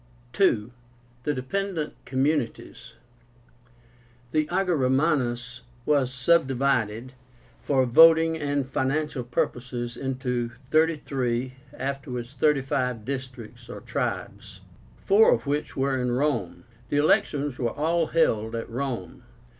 II. The DEPENDENT COMMUNITIES. The Ager Románus was subdivided, for voting and financial purposes, into thirty three, afterwards thirty five districts (tribes), four of which were in Rome. The elections were all held at Rome.